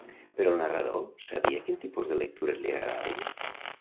Però el narrador sabia quin tipus de lectures li agradaven?